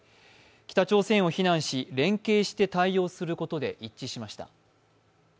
北朝鮮を非難し連携して対応することで一致しました。